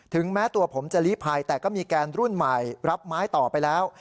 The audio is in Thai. แม้ตัวผมจะลีภัยแต่ก็มีแกนรุ่นใหม่รับไม้ต่อไปแล้ว